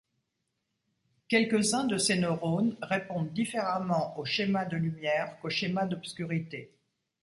Quelques-uns de ces neurones répondent différemment aux schémas de lumière qu'aux schémas d'obscurité.